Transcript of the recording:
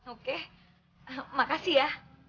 oke makasih ya